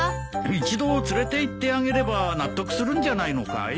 一度連れていってあげれば納得するんじゃないのかい？